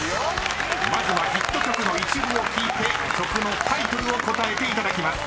［まずはヒット曲の一部を聴いて曲のタイトルを答えていただきます］